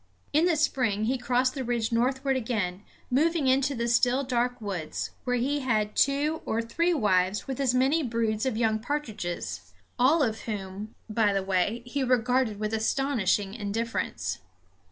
In the spring he crossed the ridge northward again, moving into the still dark woods, where he had two or three wives with as many broods of young partridges; all of whom, by the way, he regarded with astonishing indifference.